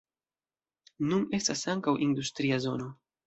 Nun estas ankaŭ industria zono.